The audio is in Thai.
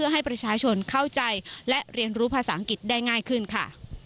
ให้ประชาชนเข้าใจและเรียนรู้ภาษาอังกฤษได้ง่ายขึ้นค่ะ